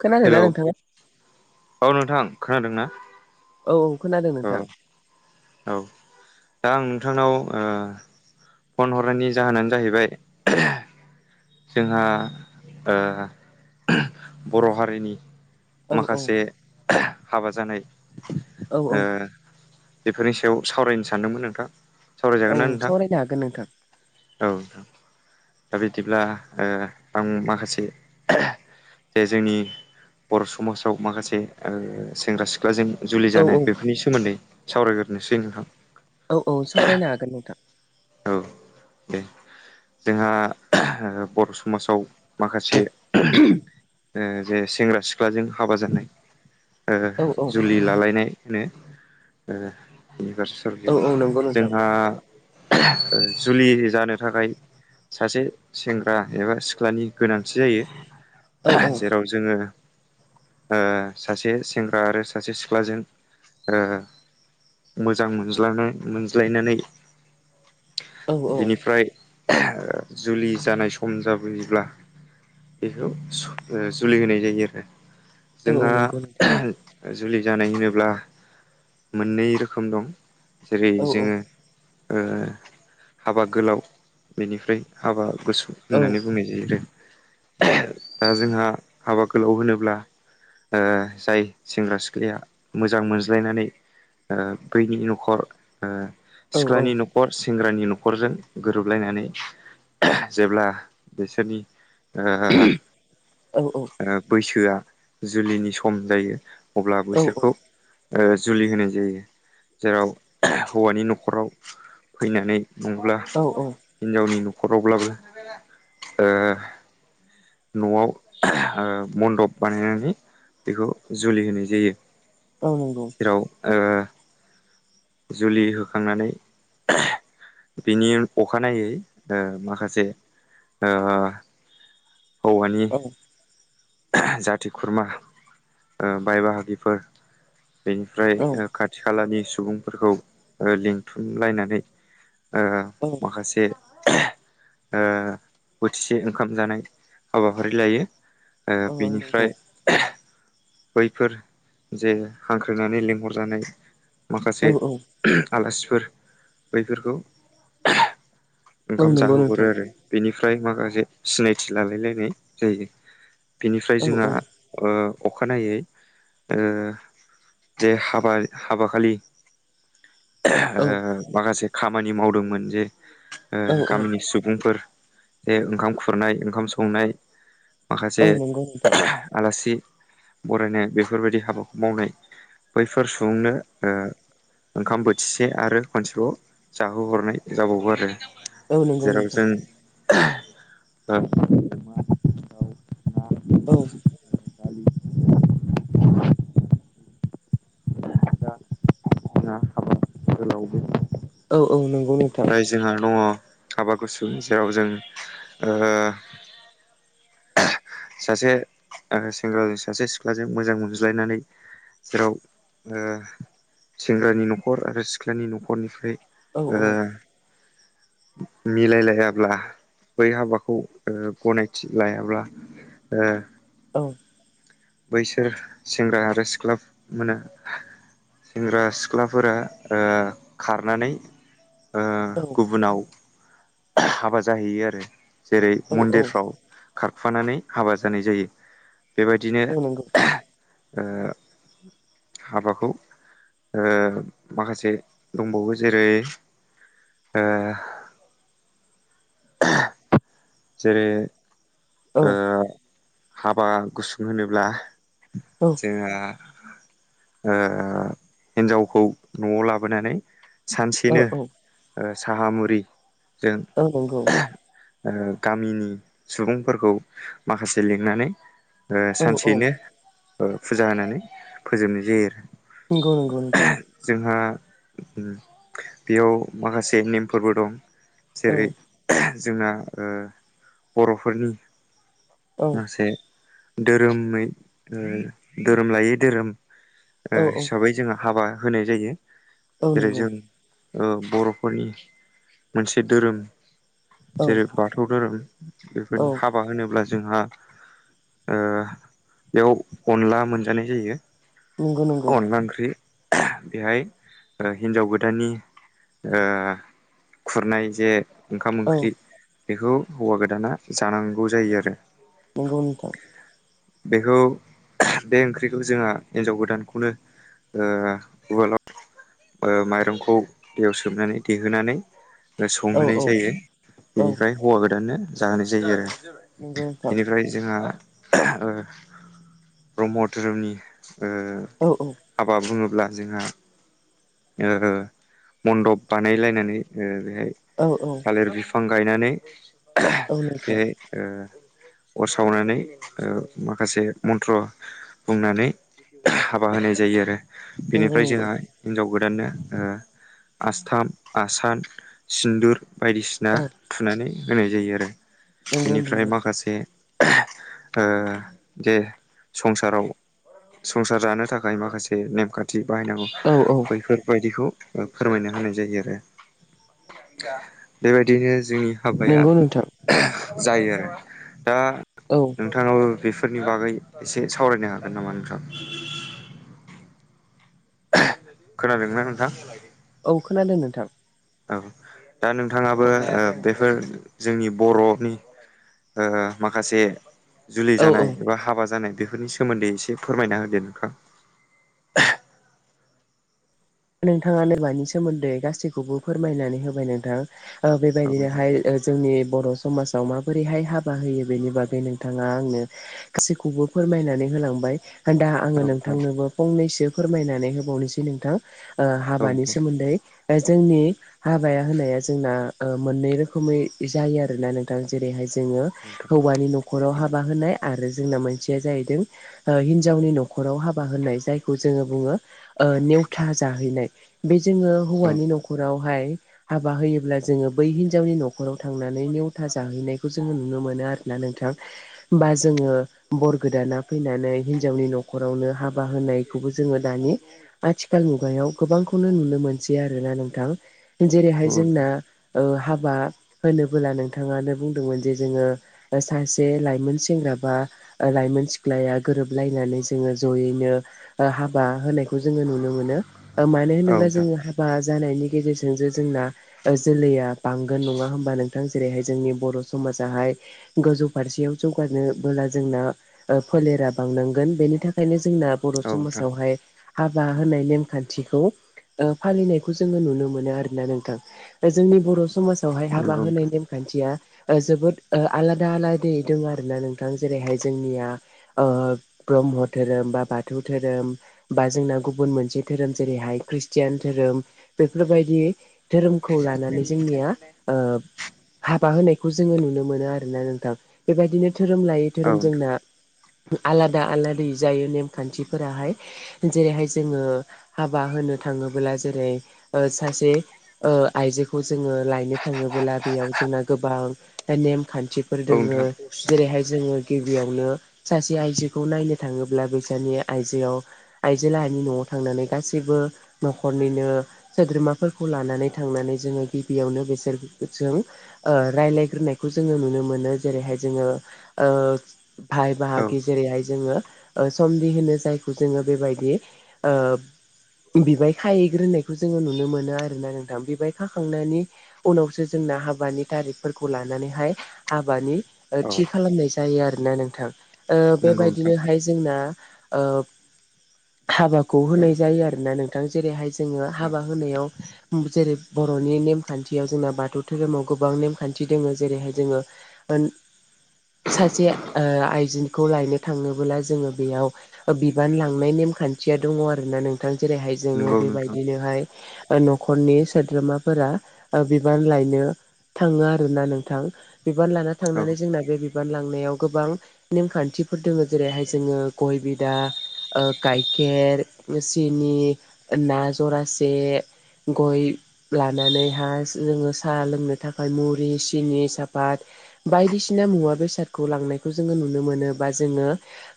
खोनादोंना हेलौ नोंथाङा - औ नोंथां खोनादों ना? औ औ खोनादों नोंथां। औ दा आं नोंथांनाव फन हरनायनि जाहोनानो जाहैबाय जोंहा ओ बर' हारिनि औ औ माखासे हाबा जानाय औ बेफोरनि सायाव सावरायनो सानदोंमोन नोंथां। औ सावरायजागोन ना नोंथां? सावरायनो हागोन नोंथां - औ - औ दा बिदिब्ला ओ आं माखासे। जे जोंनि बर' समाजाव माखासे सेंग्रा सिख्लाजों जुलि औ जानाय औ बेफोरनि सोमोन्दै सावरायग्रोनोसै नोंथां। औ औ सावरायनो हागोन नोंथां। औ दे। जोंहा बर' समाजाव माखासे जे सेंग्रा सिख्लाजों हाबा जानाय। औ जुलि लालायनाय होनो। औ औ नंगौ नोंथां जोंहा जुलि जानो थाखाय सासे सेंग्रा एबा सिख्लानि गोनांथि औ औ जायो। जेराव जोङो सासे सेंग्रा आरो सासे सिख्लाजों मोजां मोनज्लानाय मोनज्लायनानै औ औ बिनिफ्राय [unintelligible] जुलि जानाय सम जाबोयोब्ला बेखौ सु जुलि होनाय जायो आरो औ जोंहा नंगौ नोंथां [unintelligible] जुलि जानाय होनोब्ला मोननै रोखोम दं जेरै औ औ जोङो हाबा ओ गोलाव बेनिफ्राय हाबा गुसु औ होननानै बुंनाय जायो आरो [unintelligible] दा जोंहा हाबा गोलाव होनोब्ला ओ जाय सेंग्रा सिख्लाया मोजां मोनज्लायनानै ओ बैनि न'खर ओ औ औ सिख्लानि न'खर से सेंग्रानि न'खरजों गोरोबलायनानै [unintelligible] जेब्ला बिसोरनि ओ औ ओ बैसोआ जुलिनि सम जायो अब्ला बिसोरखौ ओ जुलि होनाय जायो जेराव [unintelligible] हौवानि न'खराव फैनानै नङाब्ला औ हिनजावनि न खरावब्लाबो ओ न'आव [unintelligible] ओ मन्दप बानायनानै बेखौ जुलि होनाय जायो औ नोंगौ जेराव ओ जुलि होखांनानै [unintelligible] बिनि अखानायै ओ माखासे ओ हौवानि औ [unintelligible] जाथि खुरमा ओ बाय बाहागिफोर बेनिफ्राय औ खाथि खालानि सुबुंफोरखौ ओ लिंथुमलायनानै ओ माखासे [unintelligible] ओ बोथिसे ओंखाम जानाय हाबाफारि लायो ओ औ बिनिफ्राय नंगौ [unintelligible] बैफोर जे हांख्रायनानै लिंहरजानाय माखासे [unintelligible] आलासिफोर बैफोरखौ [unintelligible] ओंखाम जाहोहरो नोंथां आरो बेनिफ्राय माखासे सिनायथि लालायलायनाय जायो बिनिफ्राय औ जोंहा ओ अखानायै ओ जे हाबा हाबा खालि [unintelligible] ओ औ माखासे खामानि मावदोंमोन जे ओ औ गामिनि सुबुंफोर बेे ओंखाम खुरनाय ओंखाम संनाय माखासे औ नंगौ नोंथां [unintelligible] आलासि बरायनाय बेफोरबायदि हाबाखौ मावनाय बैफोर सुबुंनो ओ ओंखाम बोथिसे आरो खनसेबाव जाहोहरनाय जाबावो आरो। औ नोंगौ जेराव नोंथां जों [unintelligible] औ दालि भाजा जोंहा [unintelligible] औ औ नों नै जोंहा दङ हाबा गुसु जेराव जों ओ सासे आरो सेंग्राजों सासे सिख्लाजों मोजां मोनज्लायनानै जेराव ओ सेंग्रानि न'खर आरो सिख्लानि न'खरनिफ्राय औ ओ औ। मिलायलायाब्ला बै हाबाखौ गनायथि लायाब्ला ओ औ। बैसोर सेंग्रा आरो सिख्ला मोनो सेंग्रा सिख्लाफोरा ओ खारनानै ओ औ गुबुनाव [unintelligible] हाबा जाहैयो आरो जेरै औ मन्दिरफ्राव खारफानानै हाबा जानाय जायो बेबायदिनो औ नंगौ [unintelligible] ओ हाबाखौ ओ माखासे दंबावो जेरै ए जेरै औ ओ हाबा गुसुं होनोब्ला औ जोंहा ओ हिन्जावखौ न'आव लाबोनानै औ सानसेनो औ ओ साहा मुरिजों औ नंगौ एह ओ गामिनि सुबुंफोरखौ माखासे लिंनानै ओ औ औ सानसेनो ओ फुजा होनानै फोजोबनाय जायो आरो नोंंगौ नोंगौ नोंथां जोंहा बेयाव माखासे नेमफोरबो दं औ जेरै एह जोंना ओ बर'फोरनि औ माखासे धोरोमै मम धोरोम लायै धोरोम ओ औ औ हिसाबै जोङो हाबा होनाय जायो औ जेरै नंगौ जों ओ बर'फोरनि मोनसे धोरोम औ जेरै बाथौ धोरोम औ बेफोरनि हाबा होनोब्ला जोंहा ओ बेयाव अनला मोनजानाय जायो नंगौ नंगौ अनला ओंख्रि ओह बेहाय ओ हिनजाव गोदाननि ओ खुरनाय जे ओंखाम औ ओंख्रि बेखौ हौवा गोदाना जानांगौ जायो आरो नोंगौ नोंथां बेखौ ओह बे ओंख्रिखौ जोंहा हिन्जाव गोदानखौनो ओ उवालाव ओ माइरंखौ दैयाव सोमनानै दैेहोनानै औ औ संहोनाय जायो औ बेनिफ्राय हौवा गोदाननो जाहोनाय जायो आरो नंगौ नोंथां बेनिफ्राय जोंहा ओह ओ ब्रह्म धोरोमनि औ हाबा बुङो अब्ला जोंहा ओहो मन्दब बानायलायनानै ओ बेहाय औ औ थालिर बिफां गायनानै ओह औ नोंथां बेहाय ओ अर सावनानै ओ माखासे मन्थ्र' बुंनानै ओह हाबा होनाय जायो आरो नंगौ बेनिफ्राय नंगौ जोंहा हिनजाव गोद [unintelligible] ओ आस्थाम आसान सिन्दुर बायदिसिना औ नानै होनाय जायो आरो नंगौ बेनिफ्राय नंगौ माखासे ओह ओ जे संसाराव संसार जानो थाखाय माखासे नेमखान्थि बाहायनांगौ औ औ बैफोरबायदिखौ ओ फोरमायना होनाय जायो आरो बेबायदिनो जोंनि हाबाया नंगौ नोंथां ओह जायो आरो दा औ नोंथाङाबो बेफ फोरनि बागै एसे सावरायनो हागोन नामा नोंथाङा? ओह खोनादोंना नोंथां? औ खोनादों नोंथां औ दा नोंथाङाबो ओ बेफोर जोंनि बर'नि ओ माखासे जुलि औ औ जानाय बा हाबा जानाय बेफोरनि सोमोन्दै एसे फोरमायना होदो नोंथां ओह नोंथाङाानोबानि सोमोन्दै गासैखौबो फोरमायनानै होबाय नोंथां ओ औ नोंथां बेबायदिनोहाय ओ जोंनि बर' समाजाव माबोरैहाय हाबा होयो बेनि बागै नोंथाङा आंनो गासैखौबो फोरमायनानै होलांबाय होन दा औ आङो नोंथां नोंथांनोबो फंनैसो फोरमायनानै होबावनोसै नोंथां ओ औ हाबानि नोंथां सोमोन्दै जोंनि हाबाया होनाया जोंना मोननै रोखोमै जायो आरोना नोंथां जेरैहाय जोङो हौवानि न'खराव हाबा होनाय आरो जोंना मोनसेया जाहैदों ओ हिन्जावनि न'खराव हाबा होननाय जायखौ जोङो बुङो नेव था जाहैनाय बे जोङो औ नोंथां हौवानि न'खरावहाय हाबा होयोब्ला जोङो बै हिनजावनि नि न'खराव थांनानै नेवथा जाहैनायखौ जोङो नुनो मोनो आरोना नोंथां होनबा जोङो बर गोदाना फैनानै हिनजावनि न'खरावनो हाबा होनायखौबो जोङो दानि आथिखाल खाल मुगायाव गोबांखौनो नुनो मोनसै आरोोना नोंथां जेरैहाय जोंना हा बा होनोबोला नोंथाङानो बुंदोंमोन जे जोङो सासे लाइमोन सेंग्रा बा ओ लाइमोन सिख्लाया गोरोबलायनानै जोङो जयैनो हाबा होनायखौ जोङो नुनो मोनो मानो औ होनोब्ला नोंथां जोङो हाबा जानायनि गेजेरजों जे जोंना जोलैया बांगोन नङा हबा नोंथां जेरैहाय जोंनि बर' समाजाहाय गोजौ फारसेयाव जौगानोबोला जों ओ फोलेरा बांनांगोन बेनि थाखायनो जोंना बर' औ नोंथां समाजावहाय हाबा होनाय नेमखान्थिखौ ओ फालिनायखौ जोङो नुनो मोनो आरोना नोंथां जोंनि बर' समाज वहाय हाबा नंगौ होनाय नोंथां नेमखान्थिया जोबोद आलादा आलादै दङ आरोना नोंथां जेरैहाय जोंनिया ब्रह्म धोरोम बा बाथौ धोरोम बा जोंना गुबुन मोनसे धोरोम जेरैहाय खृष्टियान धोरोम बेफोरबायदि धोरोमखौ लानानै जोंनिया ओ हाबा होनायखौ जोङो नुनो मोनो आरोना नोंथां बेबायदिनो धोरोम लायै धोरोम औ जोंना आलादा आलाद जायो नेमखान्थिफोराहाय जेरैहाय जोङो हाबा होनो थाङोब्ला जेरै सासे ओ आइजोखौ जोङो लायनो थाङोब बेयाव जोंना गोबां नेम खान्थि न्थिफोर दोङो नोंथां औ नोंथां जेरैहाय जोङो बियावनो सासे आइजोखौ नायनो थाङोब्ला बैसानि आइजोआव आइजो लाहानि नि न'आव थांनानै गासैबो न'खरनिनो सोद्रोमाफोरखौ लानानै थांनानै जोङो गि बियावनो बेसोर जों रायज्लायग्रोनायखौ जोङो नुनो मोनो जेरैहाय जोङो ओ भाय औ बाहागि जेरैहाय जोङो ओ समदि होनो जायखौ जोङो बेबायदि ओ बिबाय खाहैग्रोनायखौ जोङो नुनो मोनो आरोना नोंथां बिबाय खाखांनायनि उनावसो जों जोंना हाबानि थारिखफोरखौ लानानैहाय हाबानि ओ औ थि खालामनाय जायो आरोना नोंथां ओ नंगौ नोंथां बेबायदिनोहाय जोंना ओ [inaudible] हाबाखौ होनाय जायो आरो ना नोंथां जेरैहाय जोङो औ हाबा होनायाव जेरै बर'नि नेम खान्थियाव जोंना बाथौ धोरोमाव गोबां नेमखान्थि दोङो जेरैहाय जोङो सासे ओ आइजोनखौ लायनो थाङनोबोला जोङो बेयाव बिबान लांनाय नेमखान थिया दङ आरो ना नोंथां जेरैहाय जोङो नंगौ नोंथां बेबायदिनोहाय ओ न'खरनि सोद्रोमाफोरा ओ बिबान लायनो थाङो आरोना नोंथां बिबान लाना औ थांनानै जोंना बे बिबान लांनायाव गोबां नेमखान्थि फोर दोङो जेरैहाय जोङ गय बिदा गाय खेर सिनि ओ ना जरासे गयब लानानै हा जोङो साहा लोंनो थाखाय मुरि सिनि सापात बायदिसिना मुवा बेसादखौ लांनायखौ जोङो नुनो मोनोबा जोङो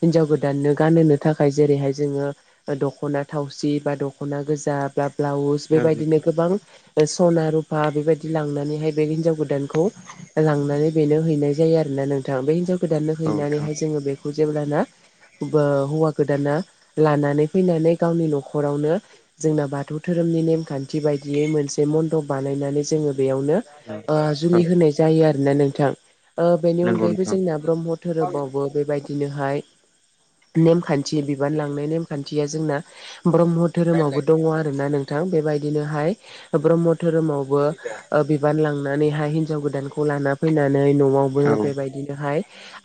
हिनजाव गोदाननो गान नो थाखाय जेरैाय जो ओ दखना थावसि बा दखना गोजा बा ब्लाउस औ नोंथां बेबायदिनो गोबां ओस सना रुफा बेबायदि लांनानैहाय बे हिनजाव गोदानखौ लांनानै बेनो हैनाय जायो आरोना नों थां बे हिनजाव गोदाननो औ नोंथां हैनानैहाय जोङो बेखौ जेब्लाना हौवा गोदाना लानानै फैनानै गावनि न'खरावनो जोंना बाथौ धोरोमनि नेमखान्थि बायदियै मोनसे मन्दब बानायनानै जोङो बेयावनो ओ औ जुलि औ होनाय जायो आरोना नोंथां ओ बेनि नंगौ अनगायैबो नोंथां जोंना ब्रह्म धोरोमावबो बेबायदिनोहाय नेमखान्थि बिबान लांनाय नेमखान्थिया जोंना ब्रह्म धोरोमावबो दङ आरोना नों नोंथां बेबायदिनोहाय ब्रह्म धोरोमावबो ओ बिबान लांनानैहाय हिनजाव गोदानखौ लाना फैनानै न'आवबो औ बेबायदिनोहाय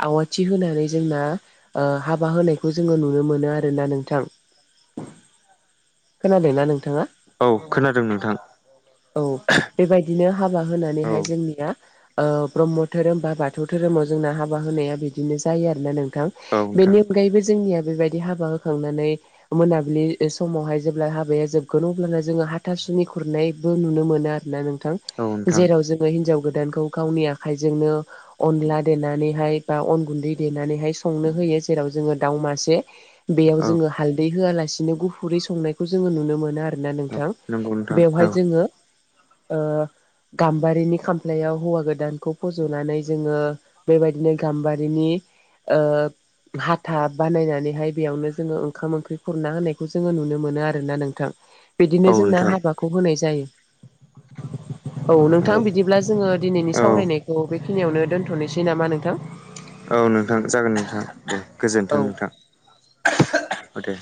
आवथि होनानै जोंना ओ हाब हाबा होनायखौ जोङो नुनो मोनो आरोना नोंथां खोनादोंना नोंथाङा औ खोनादों नोंथां औ बेबायदिनो हाबा औ होनानैहाय जोंनिया ओ ब्रह्म धोरोम बा बाथौ धोरोम माव जोंना हाबा होनाया बिदिनो जायो आरोना नोंथां औ नोंथां बेनि अनगायैबो जोंनिया बेबायदि हाबा हो होखांनानै मोनाबिलि समावहाय जेब्ला हाबाया जोबगोन अब्लाना जोङो हाथासुनि खुरनाय बो नुनो मोन आरोना नोंथ औ नोंथां जेराव जोङो हिनजाव गोदानखौ गावनि आखजोंनो अन अनला देनानैहाय बा अन गुन्दै देनानैहाय संनो होयो जेराव जोङो दाउ मासे बेयाव औ औ जोङो हालदै होआलासिनो गुफुरै संनायखौ जोङो नुनो मोनो आरो ना नोंथां नंगौ नोंथां औ बेवहाय जोङो ओ गाम्बारिनि खामफ्लायाव हौवा गोदानखौ फज'नानै जोङो बेबायदिनो गाम्बारिनि ओ हाथा बानायनानैहाय बेयावनो जोङो ओंखाम ओंख्रि खुरना होनायखौ जोङो नुनो मोनो आरोना नोंथां बिदिनो औ जोंना नोंथां हाबाखौ होनाय जायो [inaudible] औ नोंथां बिदिब्ला जोङो दिनैनि औ सावरायनायखौ बेखिनियावनो दोनथ'नोसै नामा नोंथां औ औ नोंथां जागोन नोंथां दे गोजोन्थों औ। नोंथां औ दे